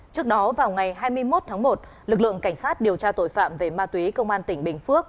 trước đó vào ngày hai mươi một tháng một lực lượng cảnh sát điều tra tội phạm về ma túy công an tỉnh bình phước